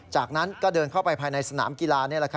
จากนั้นก็เดินเข้าไปภายในสนามกีฬา